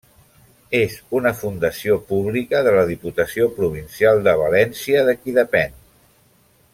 És una fundació pública de la Diputació Provincial de València, de qui depén.